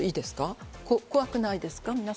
皆様、怖くないですか？